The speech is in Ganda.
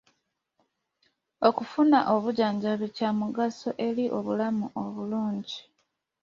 Okufuna obujjanjabi kya mugaso eri obulamu obulungi.